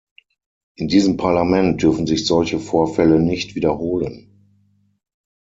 In diesem Parlament dürfen sich solche Vorfälle nicht wiederholen.